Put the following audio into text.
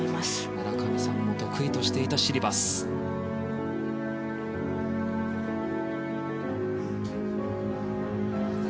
村上さんも得意としていたシリバスでした。